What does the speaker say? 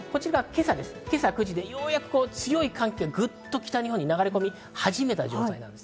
今９時でようやく強い寒気がグッと北日本に流れ込み始めた状態です。